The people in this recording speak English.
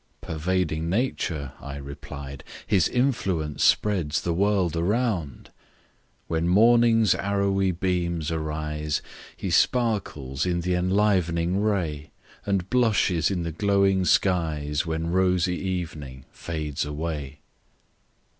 Pervading nature, I replied, His influence spreads the world around. When Morning's arrowy beams arise, He sparkles in the enlivening ray, And blushes in the glowing skies When rosy evening fades away.